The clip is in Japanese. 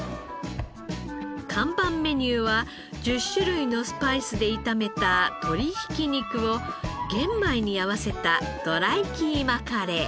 看板メニューは１０種類のスパイスで炒めた鶏ひき肉を玄米に合わせたドライキーマカレー。